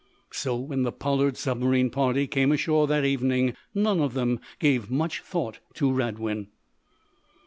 So, when the Pollard submarine party came ashore that evening, none of them gave much thought to Radwin.